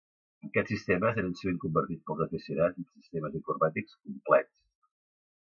Aquests sistemes eren sovint convertits pels aficionats en sistemes informàtics complets.